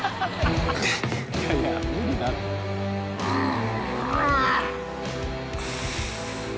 うん！